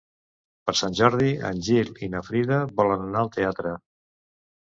Per Sant Jordi en Gil i na Frida volen anar al teatre.